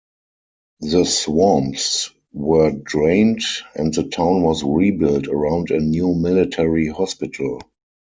The swamps were drained and the town was rebuilt around a new military hospital.